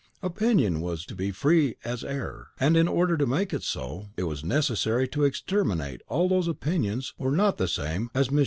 Opinion was to be free as air; and in order to make it so, it was necessary to exterminate all those whose opinions were not the same as Mons.